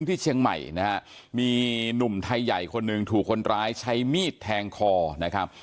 ที่เชียงใหม่นะฮะมีหนุ่มไทยใหญ่คนหนึ่งถูกคนร้ายใช้มีดแทงคอนะครับ